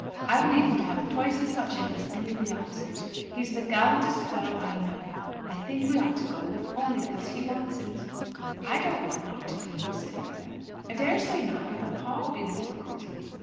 I believe him to have twice as much in him as any of the officers. He's the gallantest fellow I know. I think we ought to go, if it's only because he wants it." "I don't want not to go," said Ada. "I daresay not; but papa will be the difficulty."